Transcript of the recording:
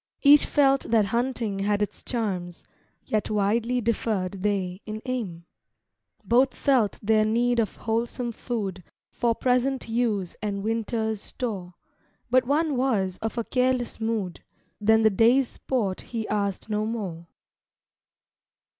Each felt that hunting had its charms, Yet widely differed they in aim. Both felt their need of wholesome food For present use and winter's store; But one was of a careless mood Than the day's sport he asked no more.